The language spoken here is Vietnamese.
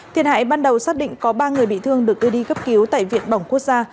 thiệt hại ban đầu xác định có ba người bị thương được đưa đi cấp cứu tại viện bỏng quốc gia